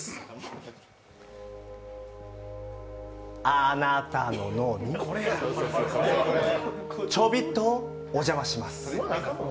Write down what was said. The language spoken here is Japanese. あなたの脳にちょびっとお邪魔します。